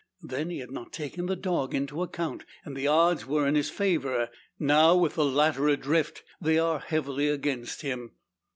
Then, he had not taken the dog into account, and the odds were in his favour. Now, with the latter adrift, they are heavily against him.